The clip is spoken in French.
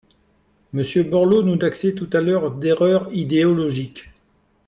Monsieur Borloo nous taxait tout à l’heure d’erreur idéologique.